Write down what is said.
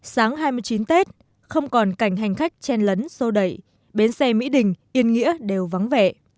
sáng hai mươi chín tết không còn cảnh hành khách chen lấn sô đẩy bến xe mỹ đình yên nghĩa đều vắng vẻ